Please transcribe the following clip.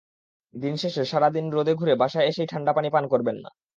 দিন শেষেসারা দিন রোদে ঘুরে বাসায় এসেই ঠান্ডা পানি পান করবেন না।